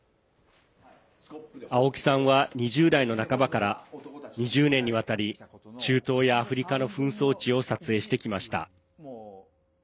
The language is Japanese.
青木さんは２０代の半ばから２０年にわたり中東やアフリカの紛争地を撮影してきました。